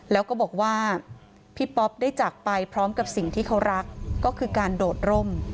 แล้วก็บอกว่าพี่ป๊อปได้จากไปพร้อมกับสิ่งที่เขารักก็คือการโดดร่ม